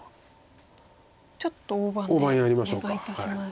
ちょっと大盤でお願いいたします。